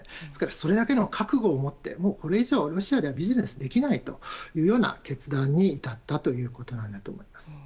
ですから、それだけの覚悟を持ってこれ以上、ロシアではビジネスができないという決断に至ったということなんだと思います。